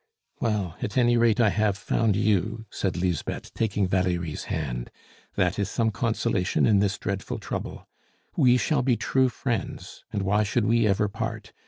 "Well, at any rate, I have found you," said Lisbeth, taking Valerie's hand, "that is some consolation in this dreadful trouble. We shall be true friends; and why should we ever part?